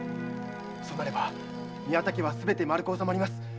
そうなれば宮田家はすべてまるく納まります。